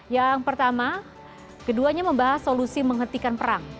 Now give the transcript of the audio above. yang pertama keduanya membahas solusi menghentikan perang